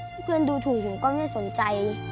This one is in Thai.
ถ้าเพื่อนดูถูกหนูก็ไม่สนใจ